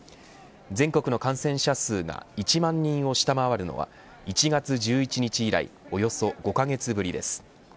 全国の感染者数が１万人を下回るのは１月１１日以来およそ５カ月ぶりです。